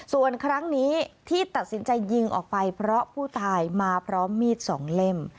ส่วนครั้งนี้ที่ตัดสินใจยิงออกไปเพราะผู้ตายมาพร้อมมีดสองเล่ม